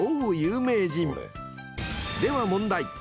［では問題。